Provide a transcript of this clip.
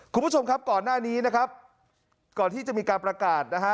คุณผู้ชมครับก่อนหน้านี้นะครับก่อนที่จะมีการประกาศนะฮะ